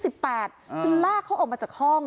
คือลากเขาออกมาจากห้อง